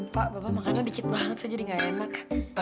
pak bapak makannya dikit banget sih jadi gak enak